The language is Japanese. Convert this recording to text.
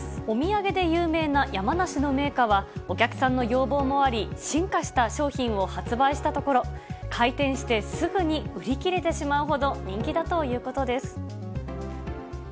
お土産で有名な山梨の銘菓は、お客さんの要望もあり、進化した商品を発売したところ、開店してすぐに売り切れてしまうほど人気だということです。